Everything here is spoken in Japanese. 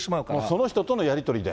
その人とのやり取りで。